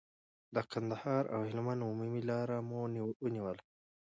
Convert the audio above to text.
د کندهار او هلمند عمومي لار مو ونیوله.